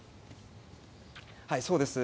そうです。